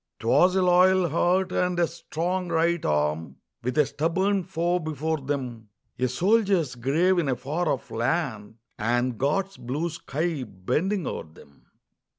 'Twas a loyal heart, and a strong right arm, With a stubborn foe before them; A soldier's grave in a far off land, And God's blue sky bending o'er them.